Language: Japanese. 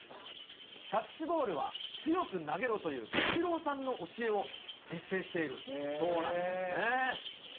キャッチボールは、強く投げろというイチローさんの教えを実践しているそうなんですね。